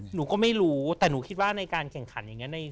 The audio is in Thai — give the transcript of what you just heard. หนูก็ไม่รู้แต่หนูคิดว่าในการแข่งขันอย่างนี้